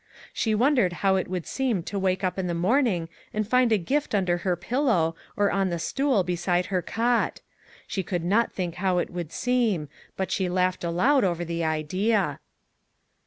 She won dered how it would seem to wake up in the morning and find a gift under her pillow, or on the stool beside her cot. She could not think how it would seem, but she laughed aloud over the idea.